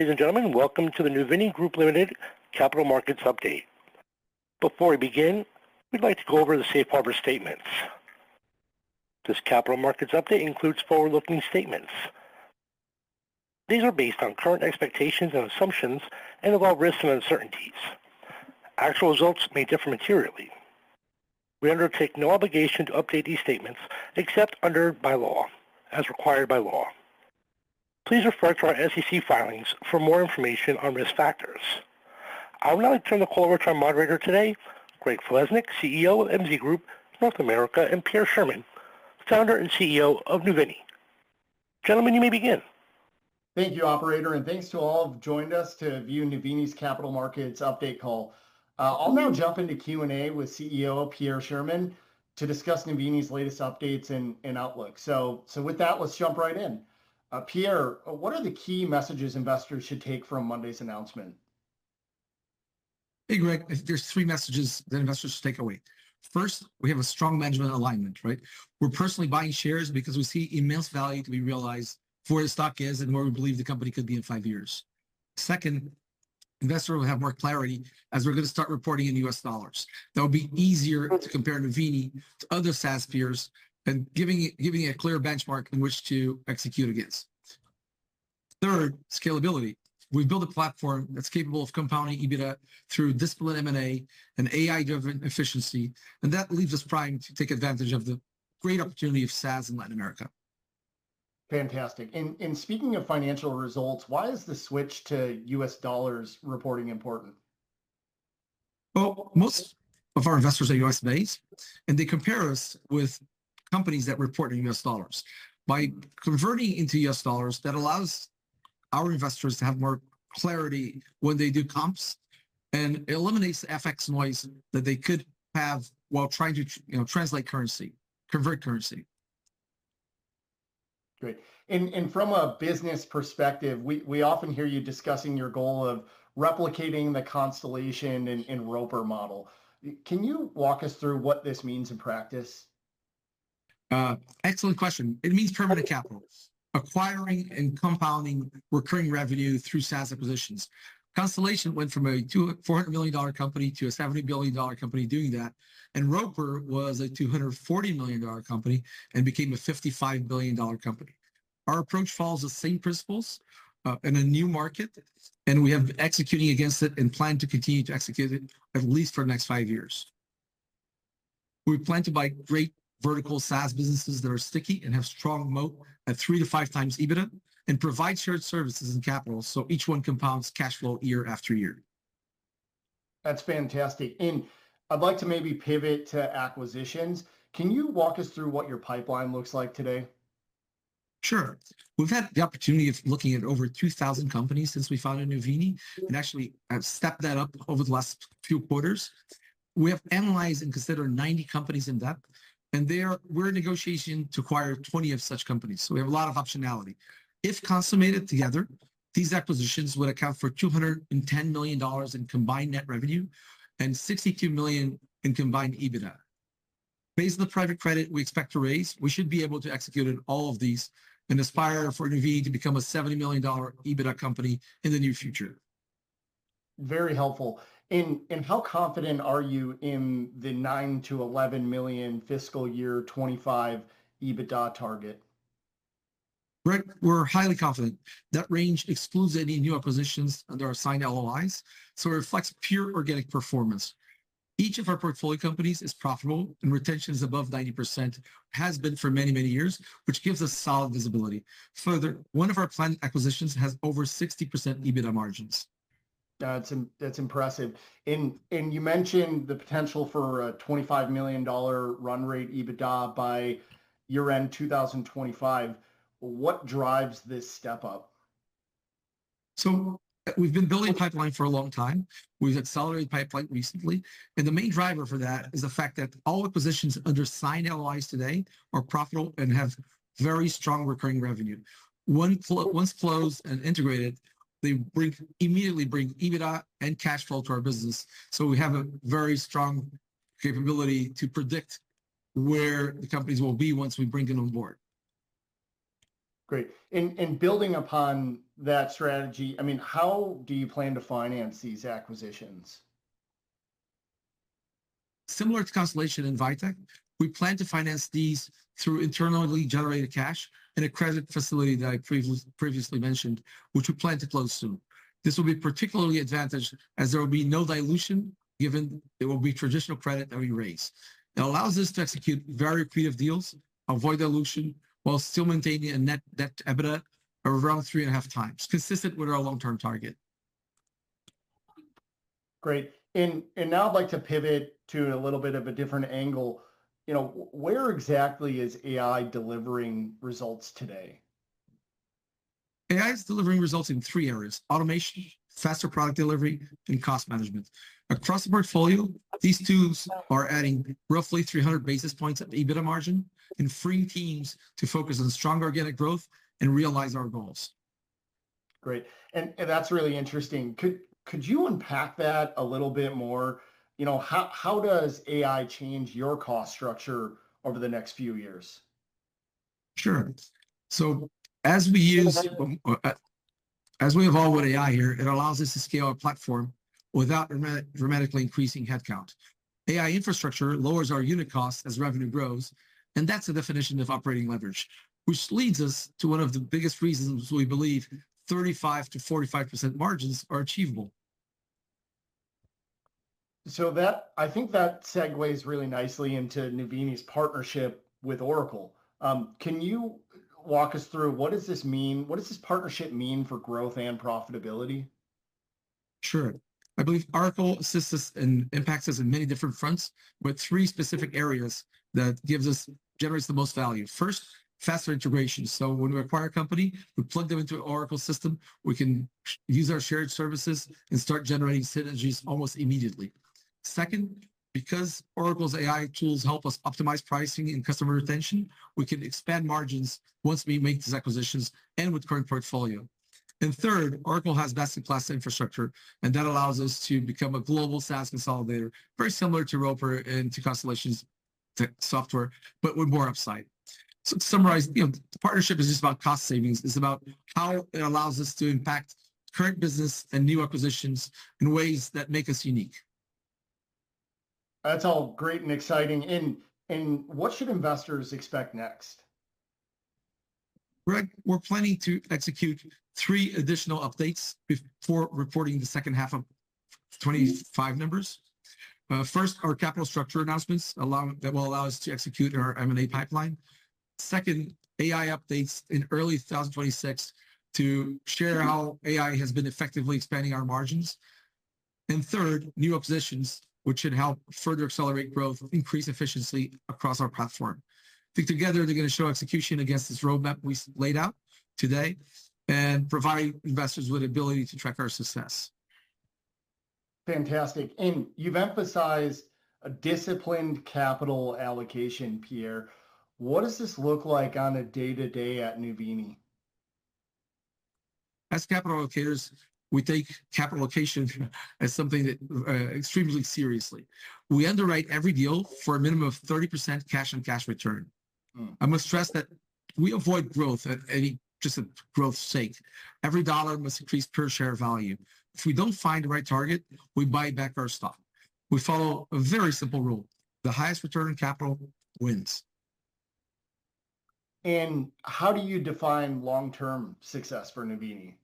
Ladies and gentlemen, welcome to the Nuvni Group Limited capital markets update. Before we begin, we'd like to go over the safe harbor statements. This capital markets update includes forward-looking statements. These are based on current expectations and assumptions and allow risks and uncertainties. Actual results may differ materially. We undertake no obligation to update these statements except as required by law. Please refer to our SEC filings for more information on risk factors. I will now turn the call over to our moderator today, Greg Falesnick, CEO of MZ Group North America, and Pierre Schurmann, founder and CEO of Nuvini. Gentlemen, you may begin. Thank you, Operator, and thanks to all who've joined us to view Nuvini's capital markets update call. I'll now jump into Q&A with CEO Pierre Schurmann to discuss Nuvini's latest updates and outlook. So with that, let's jump right in. Pierre, what are the key messages investors should take from Monday's announcement? Hey, Greg, there are three messages that investors should take away. First, we have a strong management alignment, right? We're personally buying shares because we see immense value that we realize for the stock is and where we believe the company could be in five years. Second, investors will have more clarity as we're going to start reporting in U.S. dollars. That will be easier to compare Nuvini to other SaaS peers and giving a clear benchmark in which to execute against. Third, scalability. We've built a platform that's capable of compounding EBITDA through disciplined M&A and AI-driven efficiency, and that leaves us primed to take advantage of the great opportunity of SaaS in Latin America. Fantastic. And speaking of financial results, why is the switch to U.S. dollars reporting important? Most of our investors are U.S.-based, and they compare us with companies that report in U.S. dollars. By converting into U.S. dollars, that allows our investors to have more clarity when they do comps and eliminates the FX noise that they could have while trying to translate currency, convert currency. Great, and from a business perspective, we often hear you discussing your goal of replicating the Constellation and Roper model. Can you walk us through what this means in practice? Excellent question. It means permanent capital, acquiring and compounding recurring revenue through SaaS acquisitions. Constellation went from a $400 million company to a $70 billion company doing that, and Roper was a $240 million company and became a $55 billion company. Our approach follows the same principles in a new market, and we have executing against it and plan to continue to execute it at least for the next five years. We plan to buy great vertical SaaS businesses that are sticky and have strong moat at three to five times EBITDA and provide shared services and capital, so each one compounds cash flow year after year. That's fantastic, and I'd like to maybe pivot to acquisitions. Can you walk us through what your pipeline looks like today? Sure. We've had the opportunity of looking at over 2,000 companies since we founded Nuvini and actually have stepped that up over the last few quarters. We have analyzed and considered 90 companies in depth, and we're in negotiation to acquire 20 of such companies, so we have a lot of optionality. If consummated together, these acquisitions would account for $210 million in combined net revenue and $62 million in combined EBITDA. Based on the private credit we expect to raise, we should be able to execute on all of these and aspire for Nuvini to become a $70 million EBITDA company in the near future. Very helpful. And how confident are you in the $9-$11 million fiscal year 2025 EBITDA target? Greg, we're highly confident. That range excludes any new acquisitions under signed LOIs, so it reflects pure organic performance. Each of our portfolio companies is profitable, and retention is above 90%, has been for many, many years, which gives us solid visibility. Further, one of our planned acquisitions has over 60% EBITDA margins. That's impressive. And you mentioned the potential for a $25 million run rate EBITDA by year-end 2025. What drives this step up? We've been building a pipeline for a long time. We've accelerated the pipeline recently, and the main driver for that is the fact that all acquisitions under signed LOIs today are profitable and have very strong recurring revenue. Once closed and integrated, they immediately bring EBITDA and cash flow to our business, so we have a very strong capability to predict where the companies will be once we bring them on board. Great. And building upon that strategy, I mean, how do you plan to finance these acquisitions? Similar to Constellation and Vitec, we plan to finance these through internally generated cash and a credit facility that I previously mentioned, which we plan to close soon. This will be particularly advantageous as there will be no dilution given it will be traditional credit that we raise. It allows us to execute very creative deals, avoid dilution while still maintaining a net EBITDA of around three and a half times, consistent with our long-term target. Great, and now I'd like to pivot to a little bit of a different angle. Where exactly is AI delivering results today? AI is delivering results in three areas: automation, faster product delivery, and cost management. Across the portfolio, these two are adding roughly 300 basis points of EBITDA margin and freeing teams to focus on strong organic growth and realize our goals. Great. And that's really interesting. Could you unpack that a little bit more? How does AI change your cost structure over the next few years? Sure. So as we evolve with AI here, it allows us to scale our platform without dramatically increasing headcount. AI infrastructure lowers our unit costs as revenue grows, and that's the definition of operating leverage, which leads us to one of the biggest reasons we believe 35%-45% margins are achievable. So I think that segues really nicely into Nuvini's partnership with Oracle. Can you walk us through what does this mean? What does this partnership mean for growth and profitability? Sure. I believe Oracle assists us and impacts us in many different fronts with three specific areas that generate the most value. First, faster integration. So when we acquire a company, we plug them into an Oracle system. We can use our shared services and start generating synergies almost immediately. Second, because Oracle's AI tools help us optimize pricing and customer retention, we can expand margins once we make these acquisitions and with current portfolio. And third, Oracle has best-in-class infrastructure, and that allows us to become a global SaaS consolidator, very similar to Roper and to Constellation Software, but with more upside. So to summarize, the partnership is just about cost savings. It's about how it allows us to impact current business and new acquisitions in ways that make us unique. That's all great and exciting. And what should investors expect next? Greg, we're planning to execute three additional updates before reporting the second half of 2025 numbers. First, our capital structure announcements that will allow us to execute our M&A pipeline. Second, AI updates in early 2026 to share how AI has been effectively expanding our margins. And third, new acquisitions, which should help further accelerate growth, increase efficiency across our platform. I think together they're going to show execution against this roadmap we laid out today and provide investors with the ability to track our success. Fantastic, and you've emphasized a disciplined capital allocation, Pierre. What does this look like on a day-to-day at Nuvini? As capital allocators, we take capital allocation as something extremely seriously. We underwrite every deal for a minimum of 30% cash-on-cash return. I must stress that we avoid growth at any cost, just for growth's sake. Every dollar must increase per share value. If we don't find the right target, we buy back our stock. We follow a very simple rule: the highest return on capital wins. How do you define long-term success for Nuvini?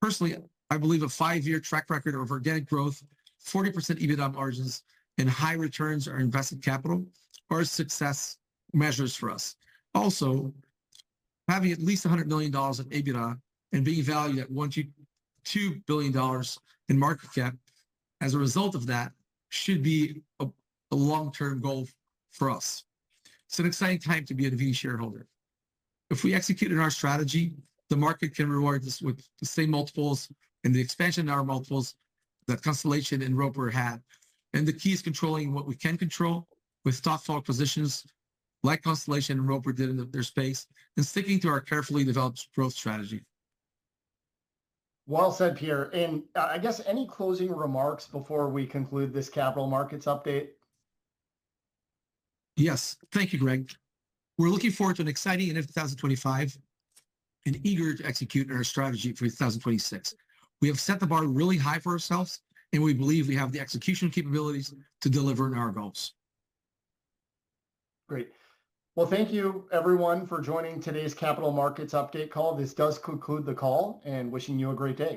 Personally, I believe a five-year track record of organic growth, 40% EBITDA margins, and high returns on invested capital are success measures for us. Also, having at least $100 million in EBITDA and being valued at $1-$2 billion in market cap as a result of that should be a long-term goal for us. It's an exciting time to be a Nuvini shareholder. If we execute on our strategy, the market can reward us with the same multiples and the expansion in our multiples that Constellation and Roper had. And the key is controlling what we can control with thoughtful acquisitions like Constellation and Roper did in their space and sticking to our carefully developed growth strategy. Well said, Pierre. And I guess any closing remarks before we conclude this capital markets update? Yes. Thank you, Greg. We're looking forward to an exciting year of 2025 and eager to execute on our strategy for 2026. We have set the bar really high for ourselves, and we believe we have the execution capabilities to deliver on our goals. Great. Well, thank you, everyone, for joining today's capital markets update call. This does conclude the call, and wishing you a great day.